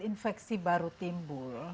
infeksi baru timbul